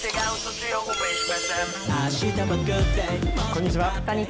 こんにちは。